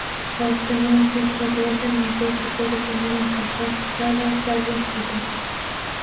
Para obtener un filtro de orden mayor se pueden poner en cascada varias etapas.